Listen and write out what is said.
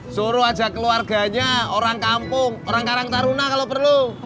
suruh aja keluarganya orang kampung orang karang taruna kalau perlu